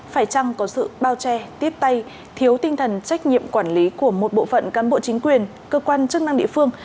phải chăng có sự bao che tiếp tay thiếu tinh thần trách nhiệm quản lý của một bộ phận cán bộ chính quyền cơ quan chức năng địa phương